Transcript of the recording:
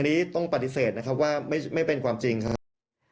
อันนี้ต้องปฏิเสธนะครับว่าไม่เป็นความจริงครับ